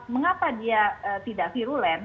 mengapa dia tidak virulen